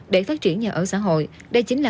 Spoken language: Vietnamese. để phát triển nhà ở xã hội đây chính là